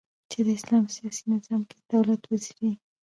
چي د اسلام په سیاسی نظام کی د دولت وظيفي.